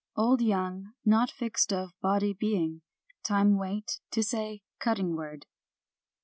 Old young not fixed of body being, time wait to say, cutting word."